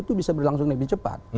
itu bisa berlangsung lebih cepat